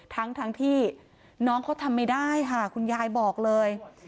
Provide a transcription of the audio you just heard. ทั้งที่น้องเขาทำไม่ได้ค่ะคุณยายบอกเลย